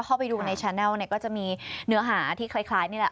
เข้าไปดูในชาแนลเนี่ยก็จะมีเนื้อหาที่คล้ายนี่แหละ